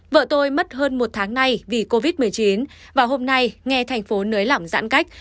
vợ tôi mất hơn một tháng nay vì covid một mươi chín và hôm nay nghe thành phố nới lỏng giãn cách